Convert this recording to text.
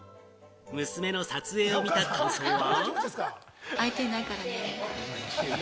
娘の撮影を見た感想は。